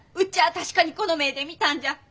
確かにこの目で見たんじゃ。